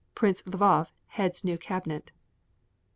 Prince Lvoff heads new cabinet.